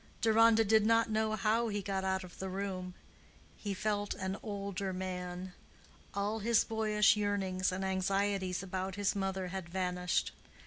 Deronda did not know how he got out of the room. He felt an older man. All his boyish yearnings and anxieties about his mother had vanished.